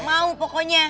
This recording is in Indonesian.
gak mau pokoknya